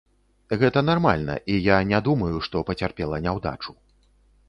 Гэта нармальна, і я не думаю, што пацярпела няўдачу.